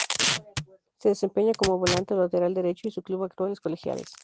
Se desempeña como volante o lateral derecho y su club actual es Colegiales.